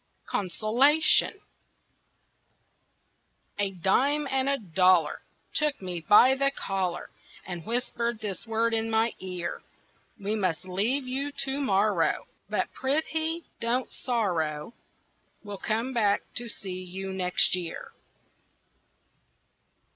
CONSOLATION A dime and a dollar Took me by the collar And whispered this word in my ear: "We must leave you to morrow, But prithee don't sorrow, We'll come back to see you next year."